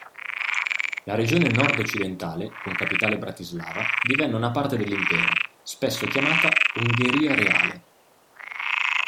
La regione nord-occidentale, con capitale Bratislava, divenne una parte dell'impero, spesso chiamata "Ungheria Reale".